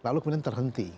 lalu kemudian terhenti